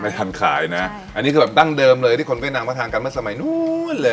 ทานขายนะอันนี้คือแบบดั้งเดิมเลยที่คนเวียดนามเขาทานกันเมื่อสมัยนู้นเลย